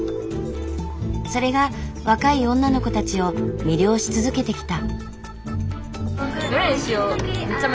それが若い女の子たちを魅了し続けてきた。